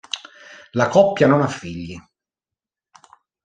La coppia non ha figli.